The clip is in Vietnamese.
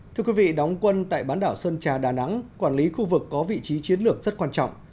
thưa quý vị đóng quân tại bán đảo sơn trà đà nẵng quản lý khu vực có vị trí chiến lược rất quan trọng